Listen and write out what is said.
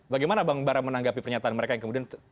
bagaimana bang bara menanggapi pernyataan mereka yang kemudian